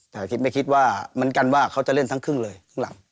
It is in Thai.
แต่คิดไม่คิดว่าเหมือนกันว่าเขาจะเล่นทั้งครึ่งเลยครึ่งหลัง